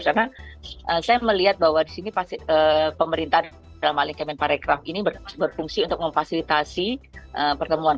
karena saya melihat bahwa disini pemerintahan dalam alih kemenparekraf ini berfungsi untuk memfasilitasi pertemuan